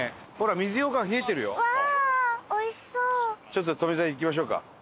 ちょっと富澤行きましょうか。